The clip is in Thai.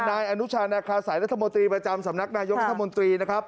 นายอนุชาณกาลสายรัฐมนตรีประจำสำนักนายกรัฐมนตรี